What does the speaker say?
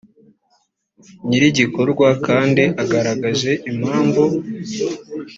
nyir’igikorwa kandi agaragaje impamvu